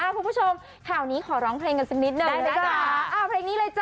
พวกผู้ชมขอนี้คอร้องเพลงกันสักนิดหน่อย